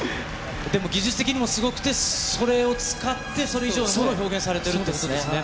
でも、技術的にもすごくて、それを使って、それ以上のものを表現されてるということですね。